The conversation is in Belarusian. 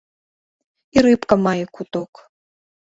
І рыбка мае куток.